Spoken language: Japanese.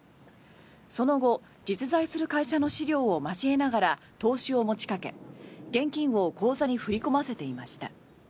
その後、実在する会社の資料を交えながら投資を持ちかけ、現金を口座に振り込ませていました。